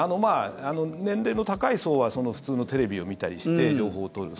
年齢の高い層は普通のテレビを見たりして情報を取る。